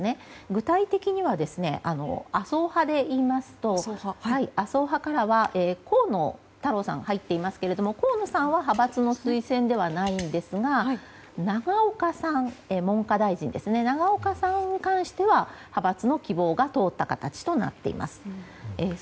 具体的には、麻生派でいいますと河野太郎さんが入っていますが河野さんは派閥の推薦ではないんですが文科大臣の永岡さんに関しては派閥の希望が通った形になっています。